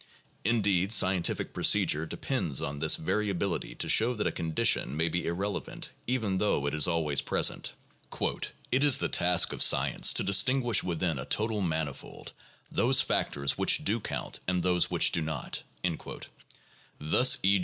Indeed, scientific procedure depends on this very ability to show that a condition may be irrelevant even though it is always present. "It is the task of science to distinguish within a total manifold those factors which do count and those which do not." Thus, e.